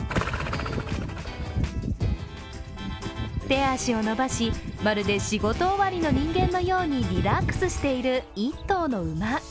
手足を伸ばし、まるで仕事終わりの人間のようにリラックスしている１頭の馬。